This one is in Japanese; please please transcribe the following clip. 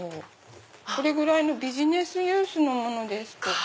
これぐらいのビジネスユースのものとか。